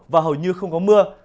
và hầu như không có mưa